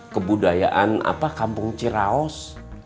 kebudayaan apa kampung ciraos